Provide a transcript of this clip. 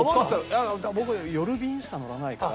いや僕夜便しか乗らないから。